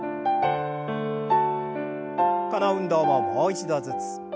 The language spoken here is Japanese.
この運動ももう一度ずつ。